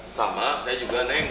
sama saya juga neng